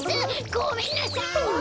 ごめんなさい！